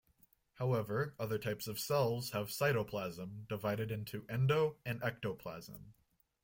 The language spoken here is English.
However, other types of cells have cytoplasm divided into endo- and ectoplasm.